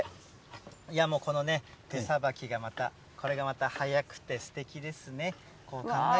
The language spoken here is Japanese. いやもうこのね、手さばきがこれがまた早くてすてきですね。